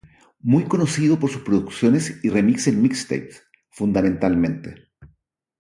Muy conocido por sus producciones y remix en mixtapes, fundamentalmente.